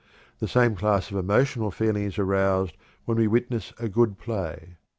The same class of emotional feeling is aroused when we witness a good play.